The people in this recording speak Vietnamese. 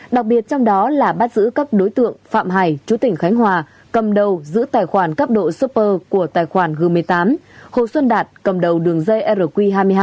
đặc biệt trong đó là bắt giữ các đối tượng phạm hải chú tỉnh khánh hòa cầm đầu giữ tài khoản cấp độ super của tài khoản g một mươi tám hồ xuân đạt cầm đầu đường dây rq hai mươi hai